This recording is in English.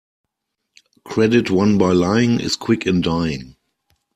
Credit won by lying is quick in dying.